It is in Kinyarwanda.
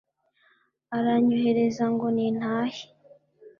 aranyohereza ngo nintahe